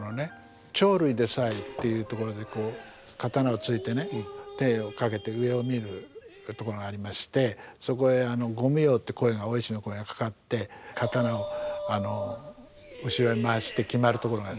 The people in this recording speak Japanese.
「鳥類でさえ」っていうところでこう刀をついてね手を掛けて上を見るところがありましてそこへ「御無用」ってお石の声がかかって刀を後ろへ回して決まるところがある。